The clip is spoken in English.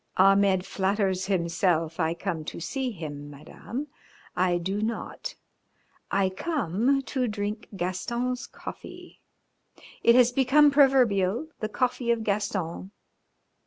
"Ahmed flatters himself I come to see him, Madame. I do not. I come to drink Gaston's coffee. It has become proverbial, the coffee of Gaston.